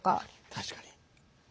確かに。